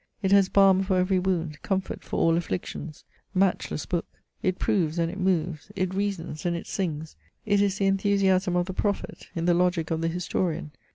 It has balm for every wound, comfort for all afflictions. Matchless book ! it proves and it moves, it reasons and it sings ; it is the enthusiasm of the prophet, in the logic of the historian.